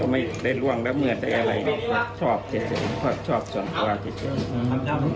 ไม่ได้ล่วงแล้วเหมือนอะไรชอบส่วนภาวะที่เสร็จ